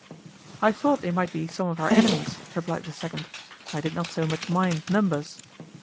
"I thought they might be some of our enemies," replied the second, "I did not so much mind numbers."